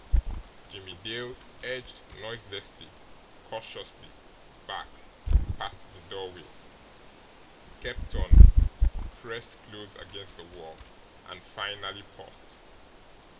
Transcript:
Jimmie Dale edged noiselessly, cautiously back past the doorway, kept on, pressed close against the wall, and finally paused.